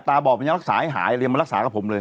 บอบมันยังรักษาให้หายเลยมารักษากับผมเลย